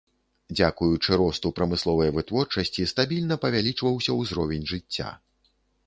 Дзякуючы росту прамысловай вытворчасці стабільна павялічваўся ўзровень жыцця.